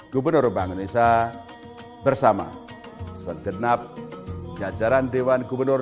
dan kembali membangkitkan gairah ekonomi